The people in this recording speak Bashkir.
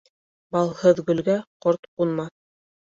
Балһыҙ гөлгә ҡорт ҡунмаҫ